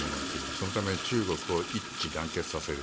そのために一致団結させる。